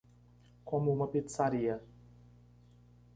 Como uma pizzaria